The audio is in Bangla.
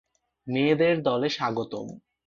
মেয়েদের দলে স্বাগতম!